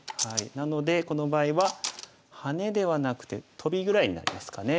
なのでこの場合はハネではなくてトビぐらいになりますかね。